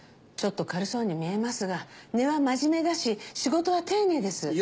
ちょっと軽そうに見えますが根は真面目だし仕事は丁寧です。